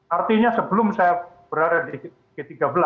artinya sebelum saya berada di g tiga belas